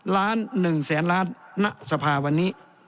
ล้าน๑แสนล้านณสภาวันนี้